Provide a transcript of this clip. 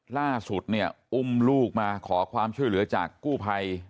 ล่าสุดเนี่ยอุ้มลูกมาขอความช่วยเหลือจากกู้ภัย